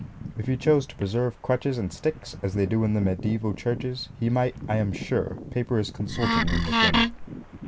If he chose to preserve crutches and sticks, as they do in the mediaeval churches, he might, I am sure, paper his consulting room with them.